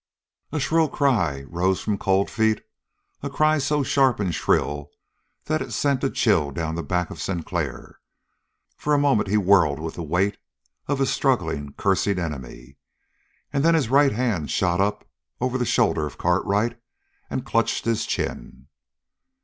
A shrill cry rose from Cold Feet, a cry so sharp and shrill that it sent a chill down the back of Sinclair. For a moment he whirled with the weight of his struggling, cursing enemy, and then his right hand shot up over the shoulder of Cartwright and clutched his chin.